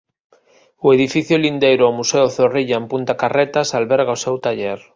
O edificio lindeiro ao Museo Zorrilla en Punta Carretas alberga o seu taller.